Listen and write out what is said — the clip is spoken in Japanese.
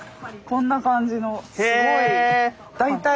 こんな感じのすごい。へ。